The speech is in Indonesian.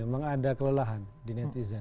memang ada kelelahan di netizen